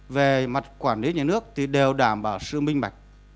về mặt quản lý nhà nước thì đều đảm bảo sự minh bạch